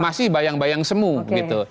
masih bayang bayang semu gitu